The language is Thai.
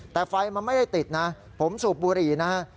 แต่ไฟมันไม่ได้ติดนะผมสูบบุหรี่นะฮะ